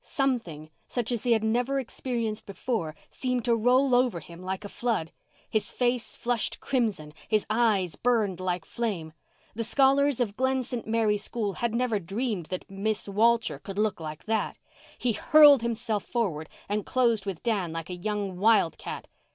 Something, such as he had never experienced before, seemed to roll over him like a flood. His face flushed crimson, his eyes burned like flame. The scholars of Glen St. Mary school had never dreamed that "Miss Walter" could look like that. He hurled himself forward and closed with Dan like a young wildcat.